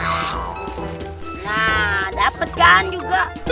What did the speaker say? nah dapet kan juga